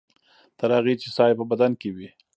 تر هغې چې ساه یې په بدن کې وي.